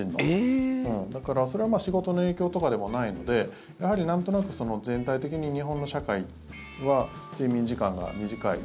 だからそれは仕事の影響とかでもないのでやはりなんとなく全体的に日本の社会は睡眠時間が短い。